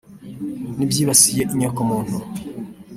n’ibyibasiye inyokomuntu